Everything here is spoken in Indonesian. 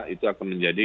itu akan menjadi